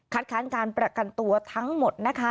ค้านการประกันตัวทั้งหมดนะคะ